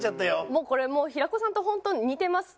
もうこれも平子さんと本当似てます。